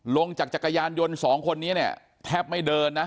ลงจากจักรยานยนต์สองคนนี้เนี่ยแทบไม่เดินนะ